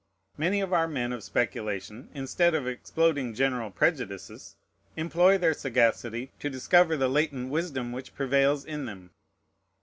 Many of our men of speculation, instead of exploding general prejudices, employ their sagacity to discover the latent wisdom which prevails in them.